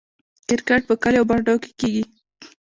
کرکټ په کلیو او بانډو کې کیږي.